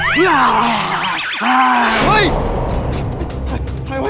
หนีกว่ามุมมากอยู่